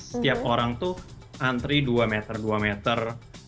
setiap orang tuh antri dua meter